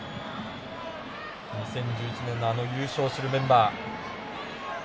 ２０１１年の優勝を知るメンバー。